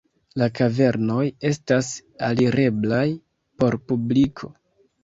La kavernoj estas alireblaj por publiko.